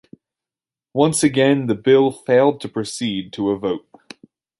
Once again, the bill failed to proceed to a vote.